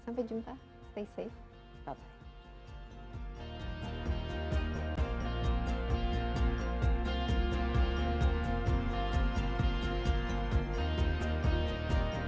sampai jumpa stay safe bye bye